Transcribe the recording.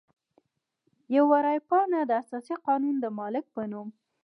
یوه رای پاڼه د اساسي قانون د مالک په نوم.